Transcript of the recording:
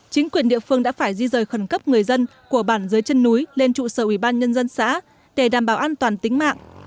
chính quyền địa phương đã phải di rời khẩn cấp người dân của bản dưới chân núi lên trụ sở ủy ban nhân dân xã để đảm bảo an toàn tính mạng